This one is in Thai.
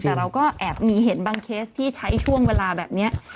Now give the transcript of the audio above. แต่เราก็แอบมีเห็นบางเคสที่ใช้ช่วงเวลาแบบนี้